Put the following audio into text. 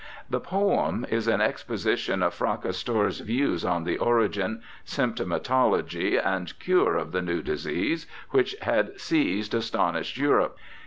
The poem is an exposition of Fracastor's views on the origin, symptomatolog}^, and cure of the new disease which had seized astonished Europe.